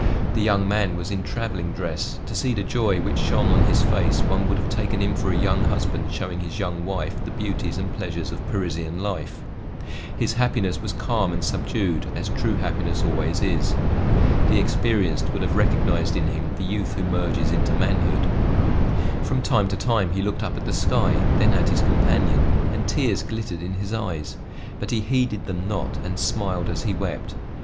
The young man was in traveling dress; to see the joy which shone on his face, one would have taken him for a young husband showing his young wife the beauties and pleasures of Parisian life. His happiness was calm and subdued, as true happiness always is. The experienced would have recognized in him the youth who merges into manhood. From time to time he looked up at the sky, then at his companion, and tears glittered in his eyes, but he heeded them not, and smiled as he wept.